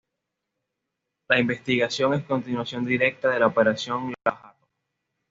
La investigación es continuación directa de la Operación Lava Jato.